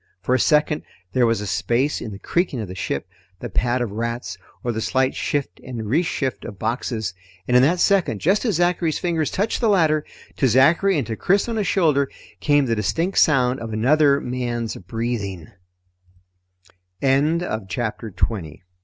For a second there was a space in the creaking of the ship, the pad of rats, or the slight shift and reshift of boxes. And in that second, just as Zachary's fingers touched the ladder, to Zachary and to Chris on his shoulder, came the distinct sound of another man's